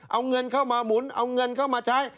เอาเงินเข้ามาหมุนเอาเงินเข้ามาใช้